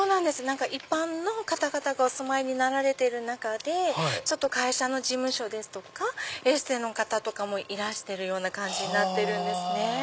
一般の方々がお住まいになられてる中で会社の事務所とかエステの方とかいらしてる感じになってるんです。